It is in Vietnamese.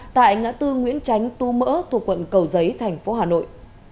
tại ngã tư nguyễn tránh tu mỡ thuộc quận cầu giấy tp hà nội